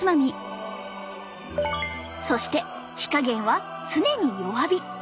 そして火加減は常に弱火！